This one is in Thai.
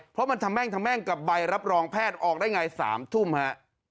เพราะมันทำแม่งทำแม่งกับใบรับรองแพทย์ออกได้ไง๓ทุ่มฮะ